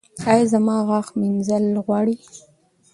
ایا زما غاښ مینځل غواړي؟